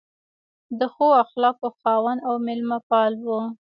د ښو اخلاقو خاوند او مېلمه پال و.